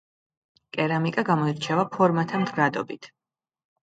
კერამიკა გამოირჩევა ფორმათა მდგრადობით.